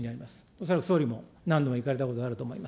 恐らく総理も何度も行かれたことあると思います。